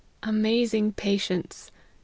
Amazing patience !